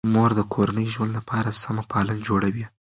مور د کورني ژوند لپاره سمه پالن جوړوي.